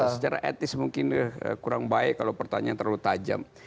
secara etis mungkin kurang baik kalau pertanyaan terlalu tajam